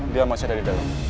dia masih ada di dalam